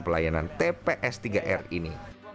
pelayanan tps tiga r ini